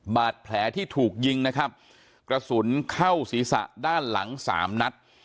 บาดแผลที่ถูกยิงนะครับกระสุนเข้าศีรษะด้านหลังสามนัด